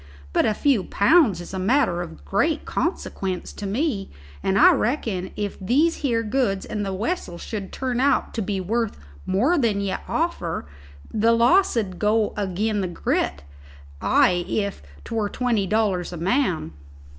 But a few pounds is a matter of great consequence to me, and I reckon if these here goods and the wessel should turn out to be worth more than ye offer, the loss 'ud go agin the grit, ay, if 'twere twenty dollars a man."